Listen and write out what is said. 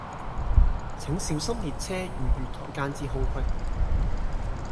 請小心列車與月台間之空隙